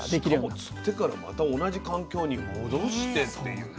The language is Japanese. しかも釣ってからまた同じ環境に戻してっていうね